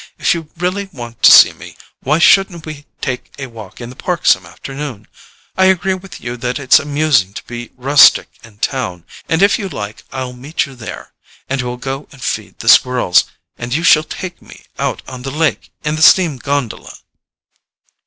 If you really want to see me, why shouldn't we take a walk in the Park some afternoon? I agree with you that it's amusing to be rustic in town, and if you like I'll meet you there, and we'll go and feed the squirrels, and you shall take me out on the lake in the steam gondola."